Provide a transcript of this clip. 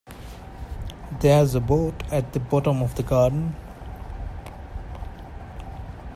There's a boat at the bottom of the garden.